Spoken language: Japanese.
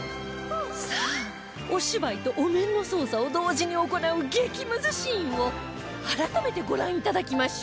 さあお芝居とお面の操作を同時に行う激ムズシーンを改めてご覧いただきましょう